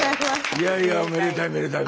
いやいやめでたいめでたい。